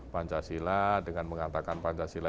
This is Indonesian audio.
pancasila dengan mengatakan pancasila